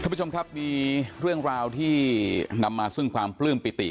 ผู้ชมครับมีเรื่องราวที่นำมาซึ่งความปลื้มปิติ